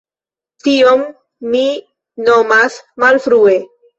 Tion mi nomas malfrue.